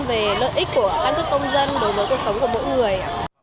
về lợi ích của căn cước công dân đối với cuộc sống của mỗi người